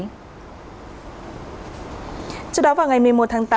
trước đó vào ngày một mươi một tháng tám